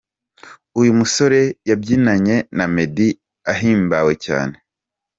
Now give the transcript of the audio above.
Uyu musore yabyinanye na Meddy ahimbawe cyane.